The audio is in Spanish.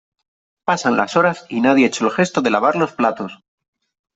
Pasan las horas y nadie ha hecho el gesto de lavar los platos.